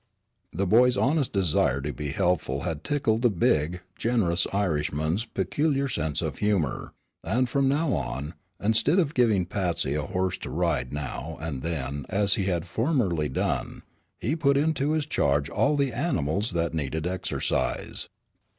The boy's honest desire to be helpful had tickled the big, generous Irishman's peculiar sense of humor, and from now on, instead of giving Patsy a horse to ride now and then as he had formerly done, he put into his charge all the animals that needed exercise.